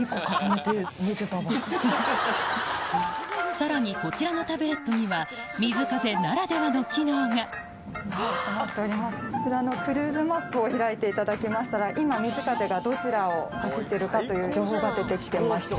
さらにこちらのタブレットにはそちらのクルーズマップを開いていただきましたら今瑞風がどちらを走ってるかという情報が出てきてまして。